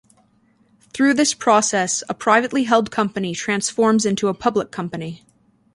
Through this process, a privately held company transforms into a public company.